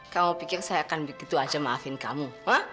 kamu pikir saya akan begitu aja maafin kamu